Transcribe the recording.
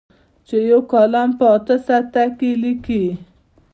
چې یو کالم په اته ساعته کې لیکي.